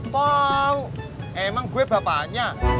tau emang gue bapaknya